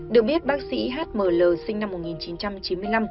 được biết bác sĩ h m l sinh năm một nghìn chín trăm chín mươi năm